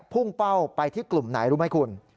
พุ่งเป้าไปที่กลุ่มไหนรู้ไหมคุณ